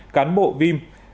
cán bộ vim